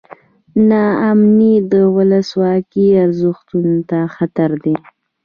نا امني د ولسواکۍ ارزښتونو ته خطر دی.